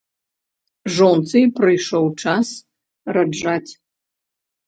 Жонцы прыйшоў час раджаць.